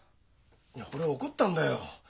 いや俺怒ったんだよ。